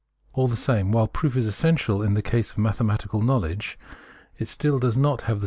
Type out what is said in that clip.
All the same, while proof is essential in the case of mathematical knowledge, it still does not have the